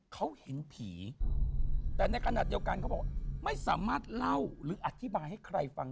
เขาเห็นผีแต่ในขณะเดียวกันเขาบอกไม่สามารถเล่าหรืออธิบายให้ใครฟัง